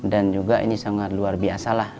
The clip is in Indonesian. dan juga ini sangat luar biasa lah